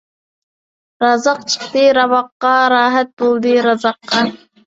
رازاق چىقتى راۋاققا، راھەت بولدى رازاققا.